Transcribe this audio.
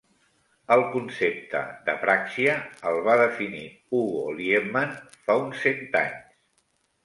El concepte d'apràxia el va definir Hugo Liepmann fa uns cent anys.